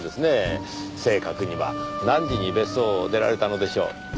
正確には何時に別荘を出られたのでしょう？